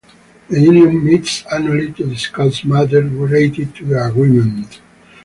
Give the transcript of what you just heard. The union meets annually to discuss matters related to the Agreement.